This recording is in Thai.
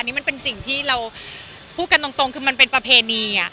นี่มันเป็นสิ่งที่เราพูดกันตรงคือมันเป็นประเพณี